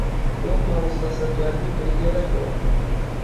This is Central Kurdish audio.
وەک مامۆستا سەجادی دەیگێڕێتەوە